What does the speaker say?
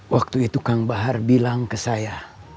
waktu itu kang bahar bilang ke saya